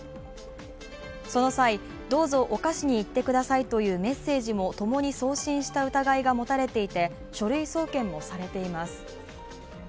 その際、「どうぞ犯しに行ってください」というメッセージも共に送信した疑いが持たれていて書類送検もされています。